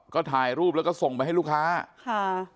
ก็ถ่ายรูปแล้วก็ส่งไปให้ลูกค้าค่ะ